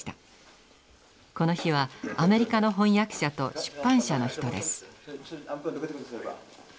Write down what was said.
この日はアメリカの翻訳者と出版社の人です。